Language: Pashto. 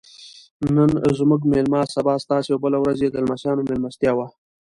نن زموږ میلمه سبا ستاسې او بله ورځ یې د لمسیانو میلمستیا وه.